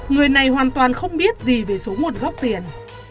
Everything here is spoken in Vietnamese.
người này hoàn toàn không biết gì về số nguồn gốc tiền